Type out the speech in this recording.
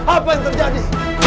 apa yang terjadi